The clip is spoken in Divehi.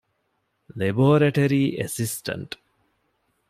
ލެބޯރެޓަރީ އެސިސްޓަންޓް